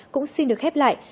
cũng xin được khép lại